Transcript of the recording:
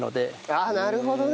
ああなるほどね。